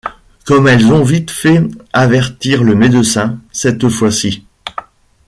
Comme elles ont vite fait avertir le médecin, cette fois-ci!